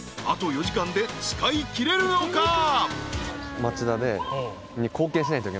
［あと４時間で使いきれるのか？］